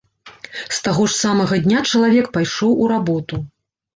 З таго ж самага дня чалавек пайшоў у работу.